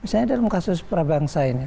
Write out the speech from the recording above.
saya dalam kasus prabangsa ini